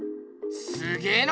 すげぇな！